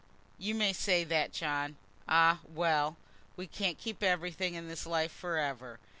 "You may say that, John. Ah, well! we can't keep everything in this life for ever."